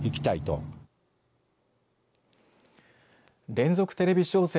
連続テレビ小説